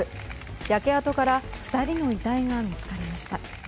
焼け跡から２人の遺体が見つかりました。